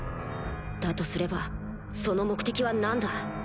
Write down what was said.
だとすればその目的は何だ？